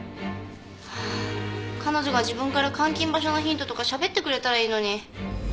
ハア彼女が自分から監禁場所のヒントとかしゃべってくれたらいいのに。